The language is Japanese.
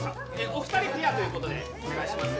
お二人ペアということでお願いします